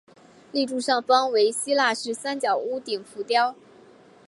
立柱上方为希腊式三角屋顶浮雕。